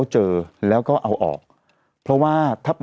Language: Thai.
เราก็มีความหวังอะ